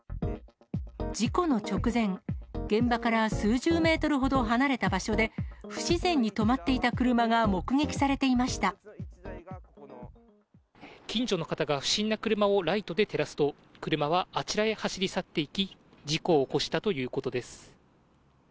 事故の直前、現場から数十メートルほど離れた場所で不自然に止まっていた車が近所の方が不審な車をライトで照らすと、車はあちらへ走り去っていき、事故を起こしたということです。